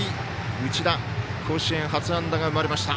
内田甲子園初安打が生まれました。